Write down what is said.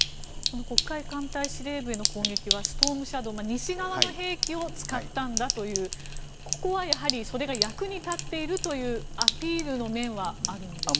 黒海艦隊司令部への攻撃はストームシャドー西側の兵器を使ったんだというここはそれが役に立っているというアピールの面はあるのでしょうか。